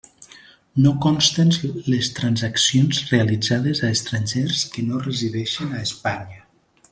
No consten les transaccions realitzades a estrangers que no resideixen a Espanya.